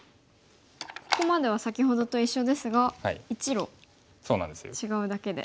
ここまでは先ほどと一緒ですが１路違うだけで。